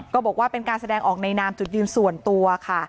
บอกว่าเป็นการแสดงออกในนามจุดยืนส่วนตัวค่ะ